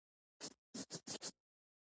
آیا دوی د تیلو او بریښنا مسوول نه دي؟